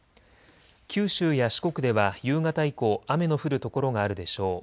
九州や四国では夕方以降、雨の降る所があるでしょう。